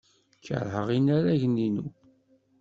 Keṛheɣ inaragen-inu.